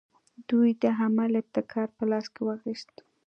دوی د عمل ابتکار په لاس کې واخیست.